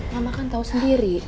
mama kan tau sendiri